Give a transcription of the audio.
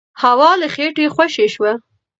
هوا له خېټې خوشې شوه.